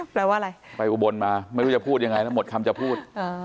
แปลว่าอะไรไปอุบลมาไม่รู้จะพูดยังไงแล้วหมดคำจะพูด